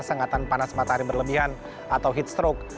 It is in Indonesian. sengatan panas matahari berlebihan atau heat stroke